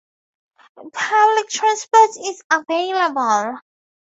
Public transport is available.